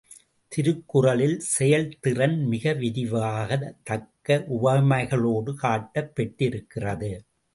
திருக்குறளில் செயல்திறன் மிக விரிவாக, தக்க உவமைகளோடு காட்டப் பெற்றிருக்கிறது.